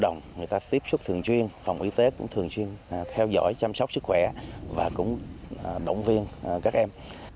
người ta tiếp xúc thường chuyên phòng y tế cũng thường xuyên theo dõi chăm sóc sức khỏe và cũng động viên các em